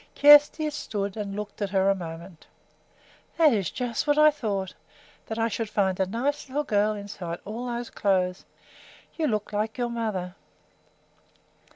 Kjersti stood and looked at her a moment. "That is just what I thought, that I should find a nice little girl inside all those clothes. You look like your mother."